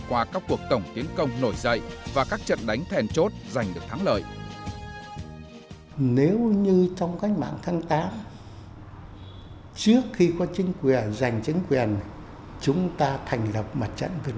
qua các cuộc tổng tiến công nổi dậy và các trận đánh thèn chốt giành được thắng lợi